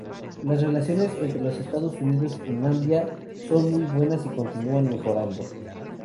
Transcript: Las relaciones entre Estados Unidos y Namibia son muy buenas y continúan mejorando.